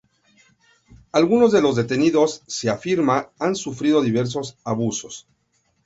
Algunos de los detenidos, se afirma, han sufrido diversos abusos.